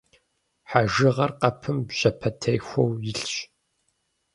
Хьэжыгъэр къэпым бжьэпэтехуэу илъщ.